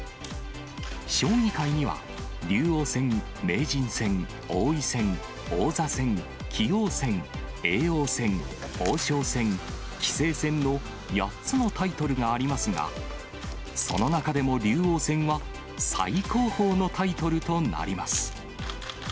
将棋界には竜王戦、名人戦、王位戦、王座戦、棋王戦、叡王戦、王将戦、棋聖戦の８つのタイトルがありますが、その中でも竜王戦は最高峰のタイトルとなります。